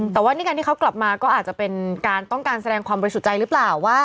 แต่ว่านี่การที่เขากลับมาก็อาจจะเป็นการต้องการแสดงความบริสุทธิ์ใจหรือเปล่าว่า